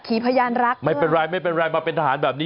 หมอกิตติวัตรว่ายังไงบ้างมาเป็นผู้ทานที่นี่แล้วอยากรู้สึกยังไงบ้าง